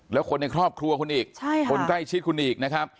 แล้วคนในครอบครัวคุณอีกคนใกล้ชิดคุณอีกนะครับ